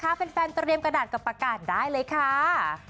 สามารถเป็นแฟนเตรียมกระดาษกับประกาศได้เลยค่ะ